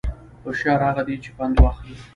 هوشیار هغه دی چې پند واخلي